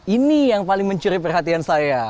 ini yang paling mencuri perhatian saya